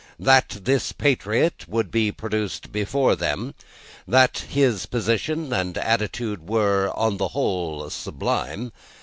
That, this patriot would be produced before them. That, his position and attitude were, on the whole, sublime.